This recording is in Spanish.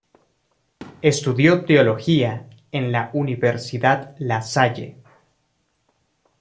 Estudió teología en la Universidad La Salle.